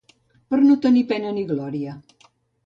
Per no tenir pena ni gloria